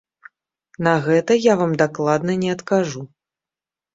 На гэта я вам дакладна не адкажу.